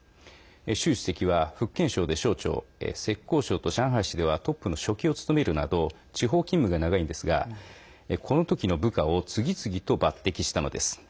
習主席は福建省で省長浙江省と上海市ではトップの書記を務めるなど地方勤務が長いんですがこの時の部下を次々と抜てきしたのです。